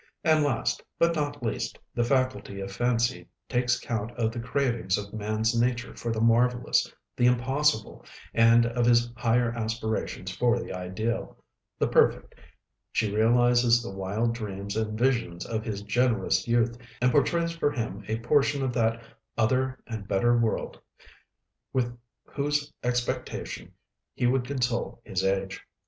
And last, but not least, the faculty of Fancy takes count of the cravings of man's nature for the marvelous, the impossible, and of his higher aspirations for the Ideal, the Perfect; she realizes the wild dreams and visions of his generous youth, and portrays for him a portion of that "other and better world," with whose expectation he would console his age.